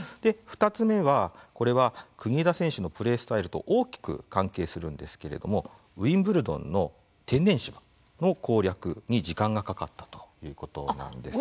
２つ目は、これは国枝選手のプレースタイルと大きく関係するんですけれどもウィンブルドンの天然芝の攻略に時間がかかったということなんです。